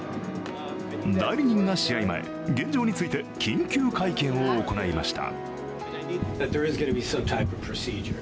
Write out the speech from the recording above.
代理人が試合前、現状について緊急会見を行いました。